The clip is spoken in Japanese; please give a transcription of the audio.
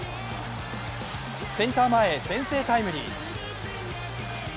センター前先制タイムリー。